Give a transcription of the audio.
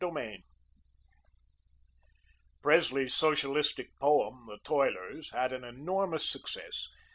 CHAPTER IV Presley's Socialistic poem, "The Toilers," had an enormous success.